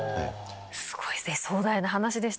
すごい壮大な話でしたが。